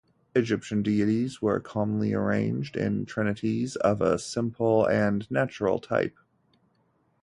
Egyptian deities were commonly arranged in trinities of a simple and natural type.